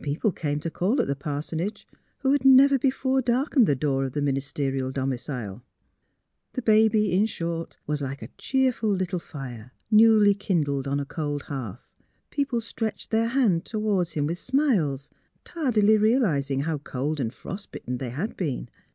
People came to call at the parsonage who had never before darkened the door of the ministerial domicile. 332 THE HEART OF PHILURA The baby, in short, was like a cheerful little fire, newly kindled on a cold hearth; people stretched their hands toward him with smiles, tardily realising how cold and frost bitten they had been.